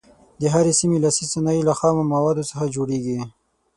د هرې سیمې لاسي صنایع له خامو موادو څخه جوړیږي.